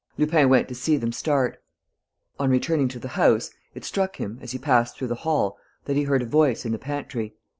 Lupin went to see them start. On returning to the house, it struck him, as he passed through the hall, that he heard a voice in the pantry.